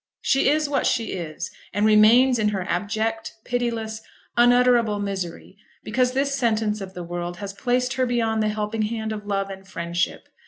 She is what she is, and remains in her abject, pitiless, unutterable misery, because this sentence of the world has placed her beyond the helping hand of Love and Friendship.